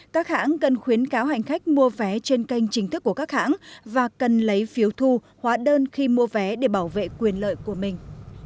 các hãng cần khuyến cáo hành khách mua vé trên kênh chính thức của các hãng và cần lấy phiếu thu hóa đơn khi mua vé để bảo vệ quyền lợi của mình